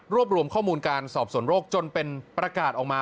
รวมรวมข้อมูลการสอบส่วนโรคจนเป็นประกาศออกมา